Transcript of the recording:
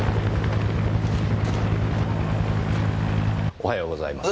おはようございます。